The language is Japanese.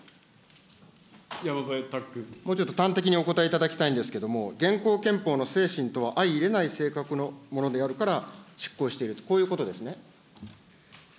端的にお答えいただきたいんですけれども、現行憲法の精神とは相いれない性格のものであるから、失効していると、こういうことですね。